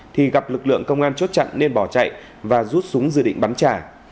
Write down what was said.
thì gặp lực lượng công an chốt chặn nên bỏ chạy và rút súng dự định bắn trả